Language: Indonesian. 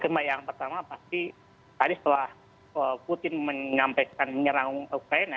cuma yang pertama pasti tadi setelah putin menyampaikan menyerang ukraina